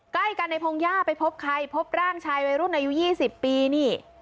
ใกล้กันในพงหญ้าไปพบใครพบร่างชายวัยรุ่นอายุ๒๐ปีนี่